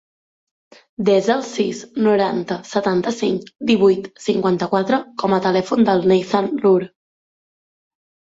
Desa el sis, noranta, setanta-cinc, divuit, cinquanta-quatre com a telèfon del Neizan Loor.